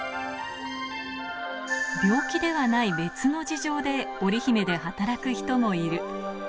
病気ではない別の事情で、オリヒメで働く人もいる。